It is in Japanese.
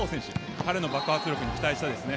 彼の爆発力に期待したいです。